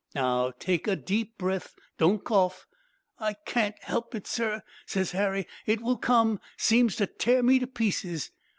'Now take a deep breath. Don't cough.' "'I can't help it, sir,' ses Harry, 'it will come. Seems to tear me to pieces.'